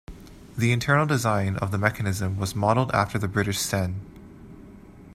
The internal design of the mechanism was modeled after the British Sten.